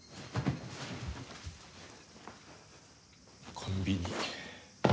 コンビニ。